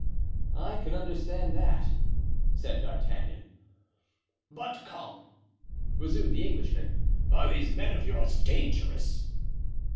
"I can understand that," said D'Artagnan. "But, come," resumed the Englishman, "are these men of yours dangerous?"